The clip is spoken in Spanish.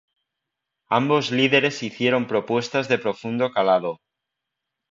Ambos líderes hicieron propuestas de profundo calado.